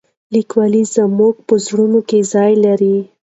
لیکوال زموږ په زړونو کې ځای لري.